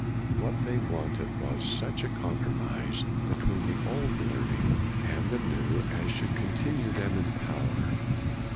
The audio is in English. What they wanted was such a compromise be CRANMER 89 tween the old learning and the new as should continue them in power.